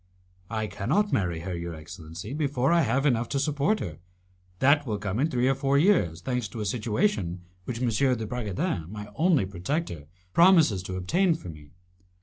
"I cannot marry her, your excellency, before I have enough to support her. That will come in three or four years, thanks to a situation which M. de Bragadin, my only protector, promises to obtain for me.